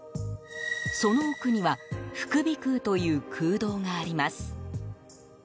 その奥には副鼻腔という空洞があります。